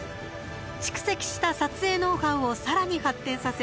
蓄積した撮影ノウハウをさらに発展させ